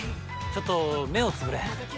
ちょっと目をつぶれ。